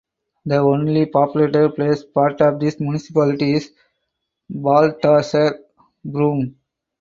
The only populated place part of this municipality is Baltasar Brum.